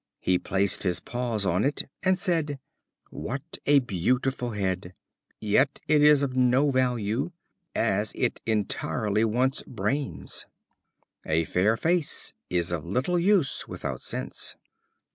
He placed his paws on it, and said: "What a beautiful head! yet it is of no value, as it entirely wants brains." A fair face is of little use without sense.